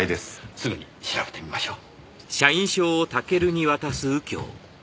すぐに調べてみましょう。